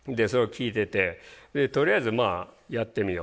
とりあえずまあやってみようと。